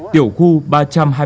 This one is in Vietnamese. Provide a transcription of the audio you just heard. tiểu khu ba trăm hai mươi năm a